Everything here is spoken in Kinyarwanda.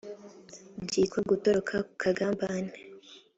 byitwa gutoroka ku kagambane